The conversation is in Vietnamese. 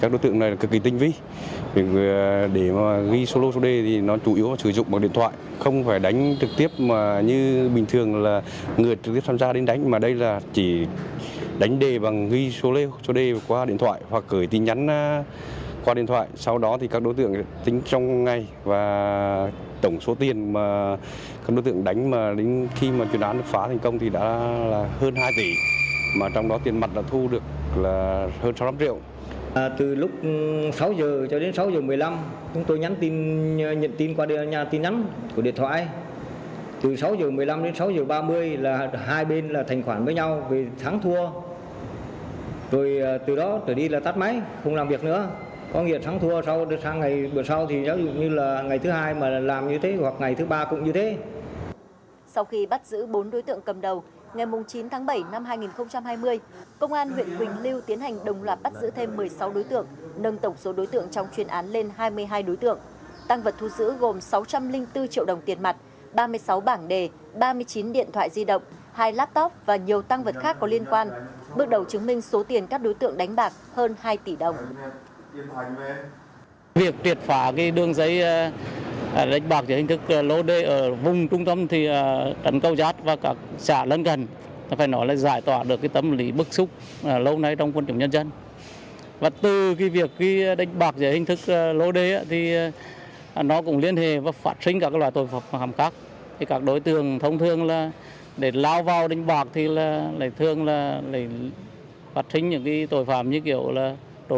đối tượng truyền thông báo truyền thông báo truyền thông báo truyền thông báo truyền thông báo truyền thông báo truyền thông báo truyền thông báo truyền thông báo truyền thông báo truyền thông báo truyền thông báo truyền thông báo truyền thông báo truyền thông báo truyền thông báo truyền thông báo truyền thông báo truyền thông báo truyền thông báo truyền thông báo truyền thông báo truyền thông báo truyền thông báo truyền thông báo truyền thông báo truyền thông báo tr